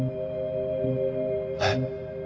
えっ？